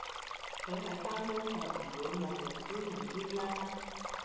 佢係返工就唔會問人癲唔癲啦